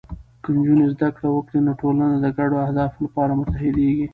که نجونې زده کړه وکړي، نو ټولنه د ګډو اهدافو لپاره متحدېږي.